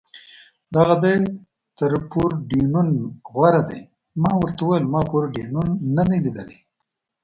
دغه ځای تر پورډېنون غوره دی، ما ورته وویل: ما پورډېنون نه دی لیدلی.